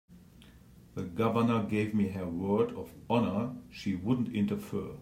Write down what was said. The Governor gave me her word of honor she wouldn't interfere.